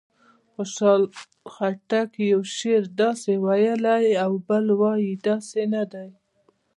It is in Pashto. خوشحال خټک یو شعر داسې ویلی او بل وایي داسې نه دی.